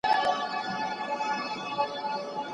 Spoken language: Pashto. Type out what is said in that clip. د حقایقو څرګندول د هر هوښیار انسان مسؤلیت دی.